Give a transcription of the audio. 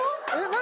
何？